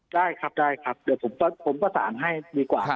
ได้ครับได้ครับเดี๋ยวผมประสานให้ดีกว่า